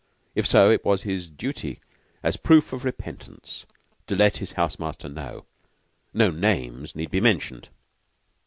If so, it was his duty as proof of repentance to let his house master know. No names need be mentioned.